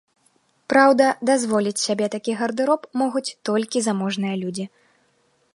Праўда, дазволіць сябе такі гардэроб могуць толькі заможныя людзі.